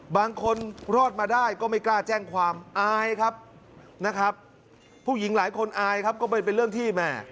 บางคนรอดมาได้ก็ไม่กล้าแจ้งความอายครับนะครับผู้หญิงหลายคนอายครับก็เป็นเรื่องที่แม่